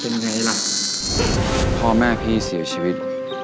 เป็นไงล่ะพ่อแม่พี่เสียชีวิต